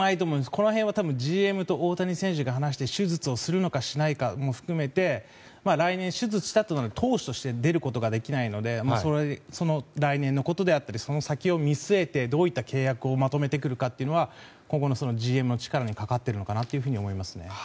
これはＧＭと大谷選手で話して手術をするのかしないかも含めて来年手術したとなると投手として出ることができないのでその来年のことであったりその先を見据えてどういった契約をまとめてくるかというのは今後のＧＭの力にかかってるのかなと思います。